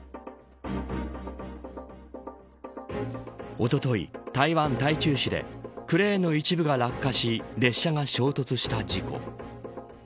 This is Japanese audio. おととい、台湾、台中市でクレーンの一部が落下し列車に衝突した事故。